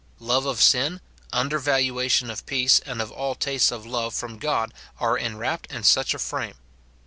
Love of sin, undervaluation of peace and of all tastes of love from God, are inwrapped in such a frame.